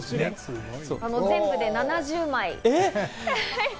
全部で７０枚。